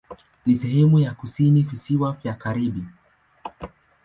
Ni sehemu ya kusini Visiwa vya Karibi.